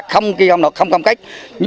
không kì không nọt không công cách